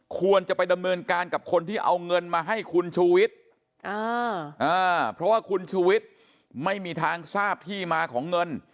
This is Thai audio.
ควรจะไปดำเนินการกับคนที่เอาเงินมาให้คุณชูวิทย์เพราะว่าคุณชูวิทย์ไม่มีทางทราบที่มาของเงิน